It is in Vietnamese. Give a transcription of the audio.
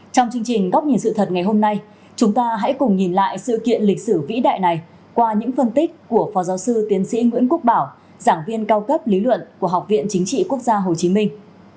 trong chương trình góc nhìn sự thật ngày hôm nay chúng ta hãy cùng nhìn lại sự kiện lịch sử vĩ đại này qua những phân tích của phó giáo sư tiến sĩ nguyễn quốc bảo giảng viên cao cấp lý luận của học viện chính trị quốc gia hồ chí minh